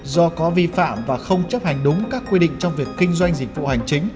do có vi phạm và không chấp hành đúng các quy định trong việc kinh doanh dịch vụ hành chính